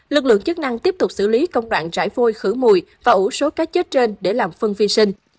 lực lượng chức năng tiếp tục xử lý công đoạn rải vôi khử mùi và ủ số cá chết trên để làm phân vi sinh